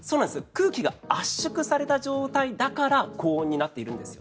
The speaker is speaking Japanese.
空気が圧縮された状態だから高温になっているんです。